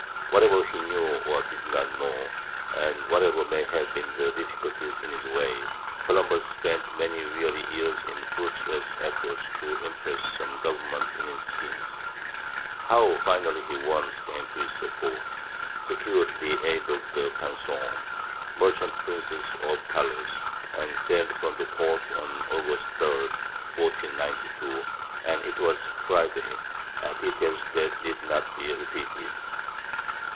Whatever he knew or did not know, and whatever may have been the difficulties in his way, Columbus spent many weary years in fruitless efforts to interest some government in his schemes. How finally he won Spain to his support, secured the aid of the Pinçons, merchant princes of Palos, and sailed from that port on August 3, 1492,—and it was Friday!—are details that need not be repeated.